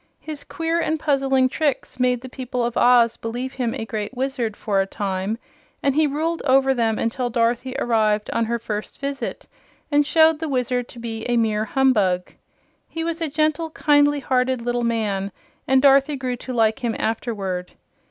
His queer and puzzling tricks made the people of Oz believe him a great wizard for a time, and he ruled over them until Dorothy arrived on her first visit and showed the Wizard to be a mere humbug. He was a gentle, kind hearted little man, and Dorothy grew to like him afterward.